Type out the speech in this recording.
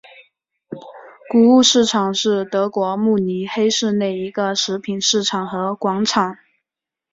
谷物市场是德国慕尼黑市内一个食品市场和广场。